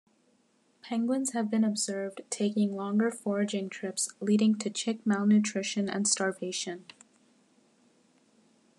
Penguins have been observed taking longer foraging trips leading to chick malnutrition and starvation.